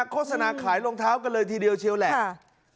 โฆษณาขายรองเท้ากันเลยทีเดียวเชียวแหละ